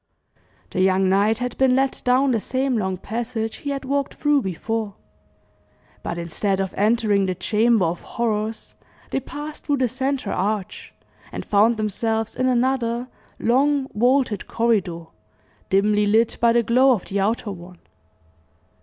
The young knight had been led down the same long passage he had walked through before; but instead of entering the chamber of horrors, they passed through the centre arch, and found themselves in another long, vaulted corridor, dimly lit by the glow of the outer one.